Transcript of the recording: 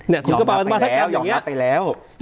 เหมาะมาไปแล้วหยกมาแบบนี้